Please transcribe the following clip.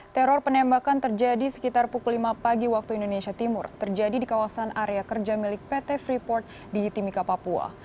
teror penembakan terjadi sekitar pukul lima pagi waktu indonesia timur terjadi di kawasan area kerja milik pt freeport di timika papua